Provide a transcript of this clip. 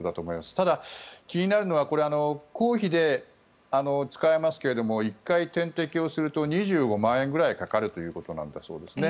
ただ、気になるのは公費で使えますけれども１回点滴をすると２５万円ぐらいかかるということだそうです。